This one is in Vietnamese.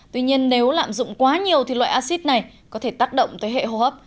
tuy nhiên nếu lạm dụng quá nhiều thì loại acid này có thể tác động tới hệ hô hấp